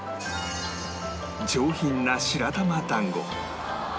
上品な白玉団子